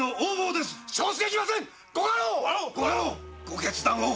ご決断を！